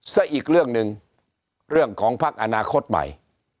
ซะอีกเรื่องหนึ่งเรื่องของพักอนาคตใหม่